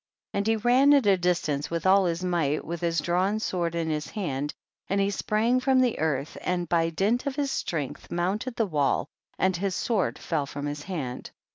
29. And he ran at a distance with all his might, with his drawn sword in his hand, and he sprang from the earth and by dint of his strength, mounted the wall, and his sword fell from his hand.